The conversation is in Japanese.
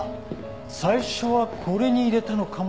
最初はこれに入れたのかもしれない。